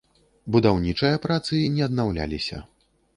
Будаўнічыя працы не аднаўляліся.